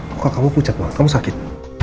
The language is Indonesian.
kok kamu pucat kamu sakit